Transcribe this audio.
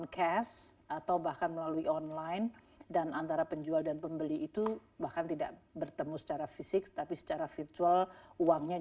yang ter argumentasi oleh kondisi atau umumnya kondisi yaitu komboran performa hypothetically